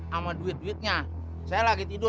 sama duit duitnya saya lagi tidur